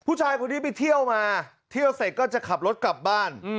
ผู้ชายคนนี้ไปเที่ยวมาเที่ยวเสร็จก็จะขับรถกลับบ้าน